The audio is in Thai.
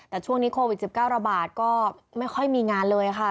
แต่ช่วงนี้โควิด๑๙ระบาดก็ไม่ค่อยมีงานเลยค่ะ